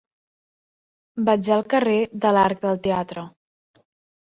Vaig al carrer de l'Arc del Teatre.